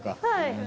はい。